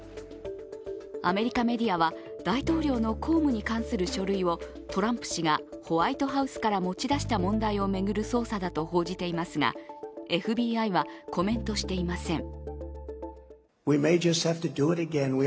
アメリカメディアは大統領の公務に関する書類をトランプ氏がホワイトハウスから持ち出した問題を巡る捜査だと報じていますがＦＢＩはコメントしていません。